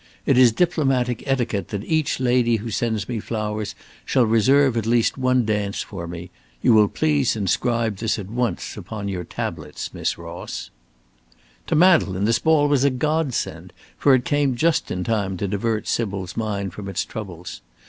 It is diplomatic etiquette that each lady who sends me flowers shall reserve at least one dance for me. You will please inscribe this at once upon your tablets, Miss Ross." To Madeleine this ball was a godsend, for it came just in time to divert Sybil's mind from its troubles.